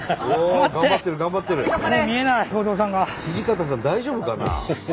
土方さん大丈夫かな？